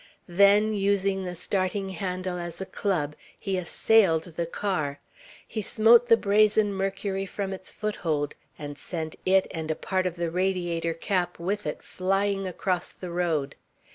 Then, using the starting handle as a club, he assailed the car. He smote the brazen Mercury from its foothold and sent it and a part of the radiator cap with it flying across the road.